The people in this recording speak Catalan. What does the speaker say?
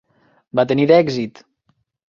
Va tenir èxit.